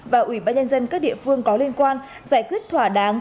và ủy ban nhân dân các địa phương có liên quan giải quyết thỏa đáng